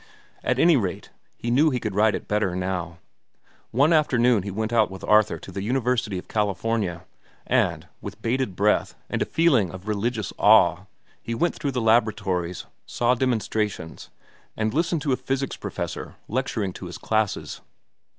At any rate he knew he could write it better now. One afternoon he went out with Arthur to the University of California, and, with bated breath and a feeling of religious awe, went through the laboratories, saw demonstrations, and listened to a physics professor lecturing to his classes.